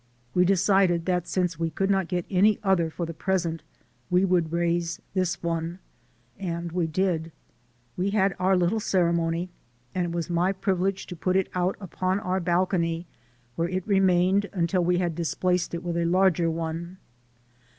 We decided that since we could not get any other for the present we would raise this one; and we did. We had our little ceremony and it was my privilege to put it out upon our balcony, where it remained until we had displaced it with a larger one.